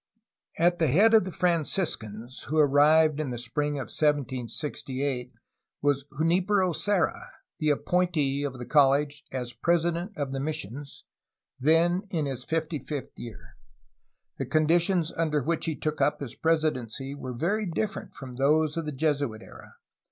At the head of the Franciscans who arrived in the spring of 1768 was Junfpero Serra, the appointee of the college as president of the mis sions, then in his fifty fifth year. The conditions under which he took up his presidency were very different from those of the Jesuit era.